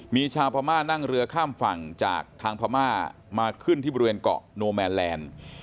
มีชาวพม่านั่งเรือข้ามฝั่งจากทางพม่ามาขึ้นที่บริเวณเกาะโนแมนแลนด์